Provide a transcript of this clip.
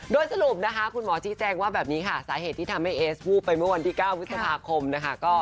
โดยสรุปนะคะคุณหมอชี้แจงว่าแบบนี้ค่ะสาเหตุที่ทำให้เอสวูบไปเมื่อวันที่๙พฤษภาคมนะคะ